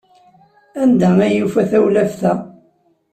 Anda ay yufa tawlaft-a?